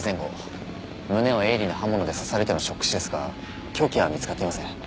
胸を鋭利な刃物で刺されてのショック死ですが凶器は見つかっていません。